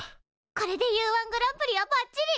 これでＵ−１グランプリはばっちり！